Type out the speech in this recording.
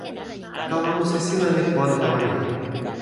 kalama musi sina li pona tawa mi.